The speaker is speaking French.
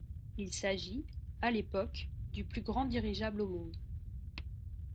Il s'agit, à l'époque, du plus grand dirigeable au monde.